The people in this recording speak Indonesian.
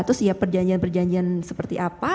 terus ya perjanjian perjanjian seperti apa